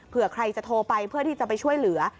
เพื่อใครจะโทรไปเพื่อที่จะไปช่วยเหลือ